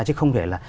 chứ không thể là